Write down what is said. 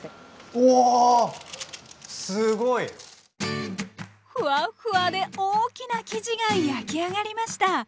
おすごい！フワフワで大きな生地が焼き上がりました。